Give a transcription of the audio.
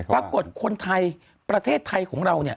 ปรากฎคนทัยประเทศไทยของเรา